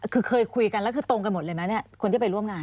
คือเคยคุยกันแล้วคือตรงกันหมดเลยไหมเนี่ยคนที่ไปร่วมงาน